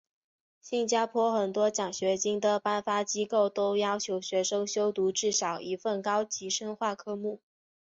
新加坡很多奖学金的颁发机构都要求学生修读至少一份高级深化科目。